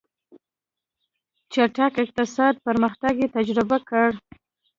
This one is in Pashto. چټک اقتصادي پرمختګ یې تجربه کړ.